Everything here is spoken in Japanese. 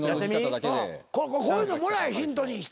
こういうのもらえヒントにして。